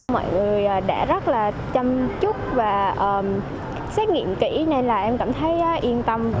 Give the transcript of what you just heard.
mọi người đã rất là chăm chúc và xét nghiệm kỹ nên là em cảm thấy yên tâm